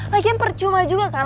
lagian percuma juga kan